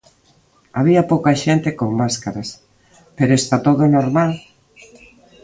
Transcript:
Había pouca xente con máscaras, pero está todo normal.